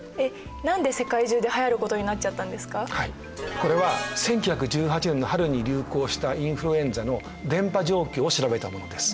これは１９１８年の春に流行したインフルエンザの伝ぱ状況を調べたものです。